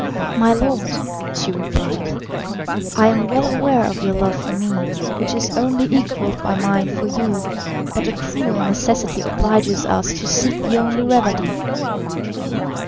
"My lord," she replied, "I am well aware of your love for me, which is only equalled by mine for you, but a cruel necessity obliges us to seek the only remedy."